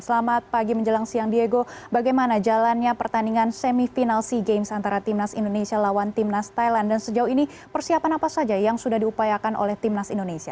selamat pagi menjelang siang diego bagaimana jalannya pertandingan semifinal sea games antara timnas indonesia lawan timnas thailand dan sejauh ini persiapan apa saja yang sudah diupayakan oleh timnas indonesia